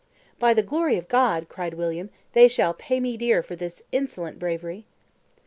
"By the glory of God," cried William, "they shall pay me dear for this insolent bra very!"